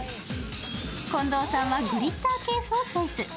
近藤さんはグリッターケースをチョイス。